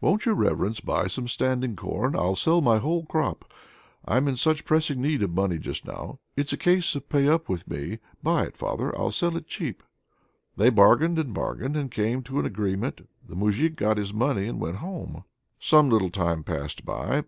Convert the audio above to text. "Won't your Reverence buy some standing corn? I'll sell my whole crop. I'm in such pressing need of money just now. It's a case of pay up with me! Buy it, Father! I'll sell it cheap." They bargained and bargained, and came to an agreement. The Moujik got his money and went home. Some little time passed by.